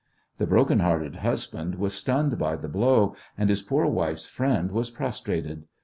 The broken hearted husband was stunned by the blow, and his poor wife's "friend" was prostrated.